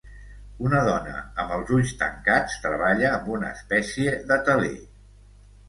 Una dona amb els ulls tancats treballa amb una espècie de teler.